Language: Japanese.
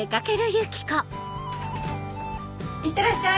いってらっしゃい！